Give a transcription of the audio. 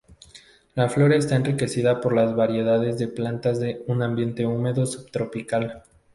La flora está enriquecida por las variedades de plantas de un ambiente húmedo subtropical.